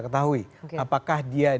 ketahui apakah dia